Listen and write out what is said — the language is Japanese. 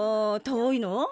遠いの？